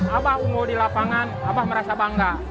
abah di lapangan abah merasa bangga